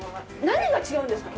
何が違うんですか？